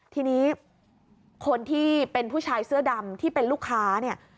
ทีนี้คนที่เป็นผู้ชายเสื้อดำที่เป็นลูกค้าเนี่ย